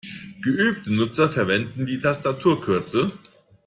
Geübte Nutzer verwenden die Tastaturkürzel.